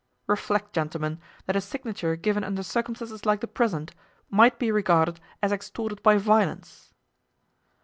"Reflect, gentlemen, that a signature given under circumstances like the present might be regarded as extorted by violence."